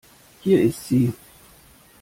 Hier ist sie.